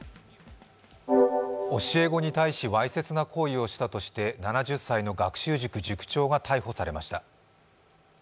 教え子に対し、わいせつな行為をしたとして７０歳の学習塾塾長が逮捕されました。